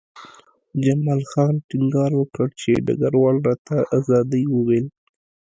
جمال خان ټینګار وکړ چې ډګروال راته د ازادۍ وویل